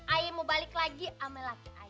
ayah mau balik lagi sama laki laki